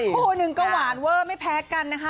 อีกคู่นึงก็หวานเว้อไม่แพ้กันนะคะ